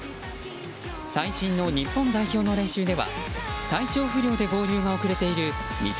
最新の日本代表の練習では体調不良で合流が遅れている三笘